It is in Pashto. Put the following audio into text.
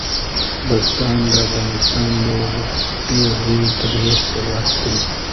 بزګان د افغانستان یو ډېر لوی طبعي ثروت دی.